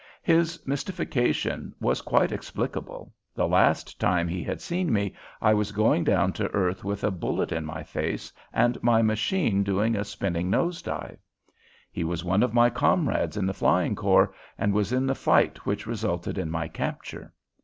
His mystification was quite explicable. The last time he had seen me I was going down to earth with a bullet in my face and my machine doing a spinning nose dive. He was one of my comrades in the flying corps and was in the fight which resulted in my capture.